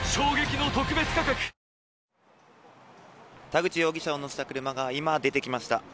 田口容疑者を乗せた車が今、出てきました。